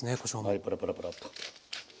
はいパラパラパラッと。